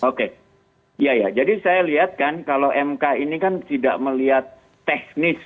oke ya ya jadi saya lihat kan kalau mk ini kan tidak melihat teknis